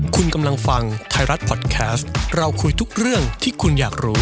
คุณกำลังฟังไทยรัฐพอดแคสต์เราคุยทุกเรื่องที่คุณอยากรู้